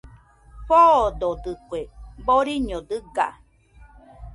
Foododɨkue, boriño dɨga